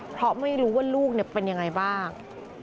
เพราะไม่รู้ว่าลูกเป็นยังไงบ้าง